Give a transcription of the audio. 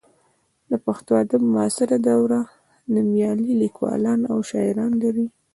د پښتو ادب معاصره دوره نومیالي لیکوالان او شاعران لري.